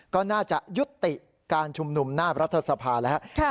ก็น่าจะยุติการชุมนุมหน้ารัฐสภาแล้ว